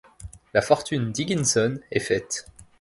La fortune d'Higginson est faite.